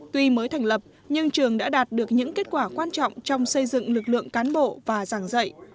tuy mới thành lập nhưng trường đã đạt được những kết quả quan trọng trong xây dựng lực lượng cán bộ và giảng dạy